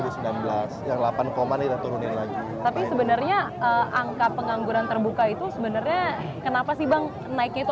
tapi sebenarnya angka pengangguran terbuka itu sebenarnya kenapa sih bang naiknya itu